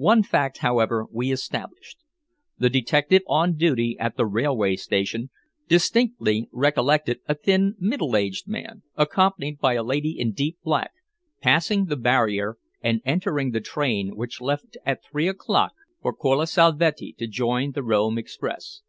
One fact, however, we established. The detective on duty at the railway station distinctly recollected a thin middle aged man, accompanied by a lady in deep black, passing the barrier and entering the train which left at three o'clock for Colle Salvetti to join the Rome express.